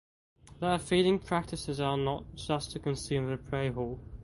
Their feeding practises are not just to consume their prey whole.